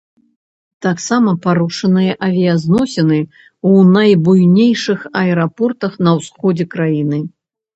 Таксама парушаныя авіязносіны ў найбуйнейшых аэрапортах на ўсходзе краіны.